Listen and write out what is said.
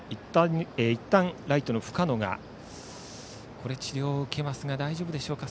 いったん、ライトの深野が治療を受けますが大丈夫でしょうか。